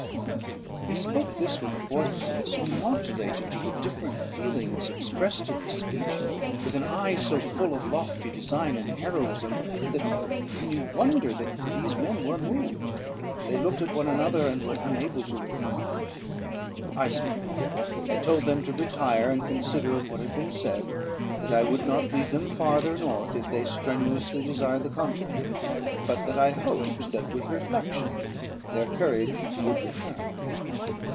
He spoke this with a voice so modulated to the different feelings expressed in his speech, with an eye so full of lofty design and heroism, that can you wonder that these men were moved? They looked at one another, and were unable to reply. I spoke; I told them to retire, and consider of what had been said: that I would not lead them farther north, if they strenuously desired the contrary; but that I hoped that, with reflection, their courage would return.